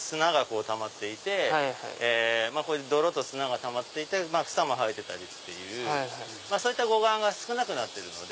いわゆる泥と砂がたまっていて草も生えてたりっていう護岸が少なくなってるので。